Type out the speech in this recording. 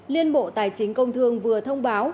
liên bộ tài chính công thương vừa thông báo